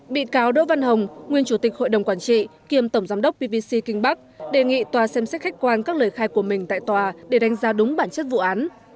bị cáo đỗ văn hồng nguyên chủ tịch hội đồng quản trị kiêm tổng giám đốc pvc kinh bắc đề nghị tòa xem xét khách quan các lời khai của mình tại tòa để đánh giá đúng bản chất vụ án